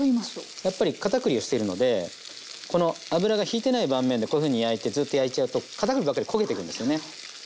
やっぱり片栗をしてるのでこの油がひいてない盤面でこういうふうに焼いてずっと焼いちゃうと片栗ばっかり焦げていくんですよね。